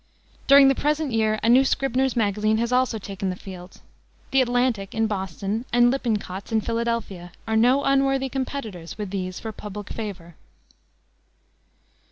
During the present year a new Scribner's Magazine has also taken the field. The Atlantic, in Boston, and Lippincott's, in Philadelphia, are no unworthy competitors with these for public favor.